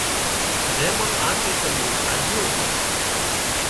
زي مان آ قسم نيون ڀاڄيون سي